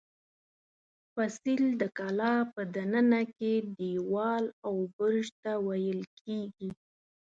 فصیل د کلا په دننه کې دېوال او برج ته ویل کېږي.